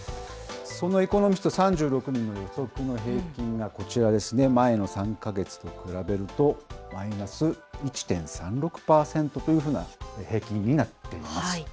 そのエコノミスト３６人の予測の平均がこちらですね、前の３か月と比べると、マイナス１．３６％というような平均になっています。